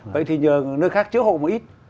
vậy thì nhờ nơi khác chứa hộ một ít